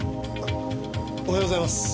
おはようございます。